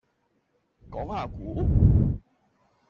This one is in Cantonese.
講下股